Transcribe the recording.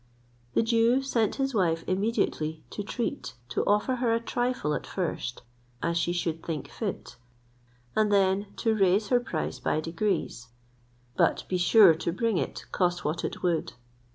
The Jew sent his wife immediately to treat, to offer her a trifle at first, as she should think fit, and then to raise her price by degrees; but be sure to bring it, cost what it would.